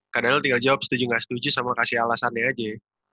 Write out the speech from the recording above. karena lo tinggal jawab setuju gak setuju sama kasih alasannya aja